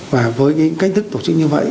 và với những cách thức tổ chức như vậy